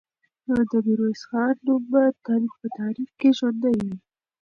د میرویس خان نوم به تل په تاریخ کې ژوندی وي.